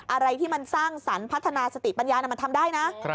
อะไรที่มันสร้างสรรค์พัฒนาสติปัญญามันทำได้นะ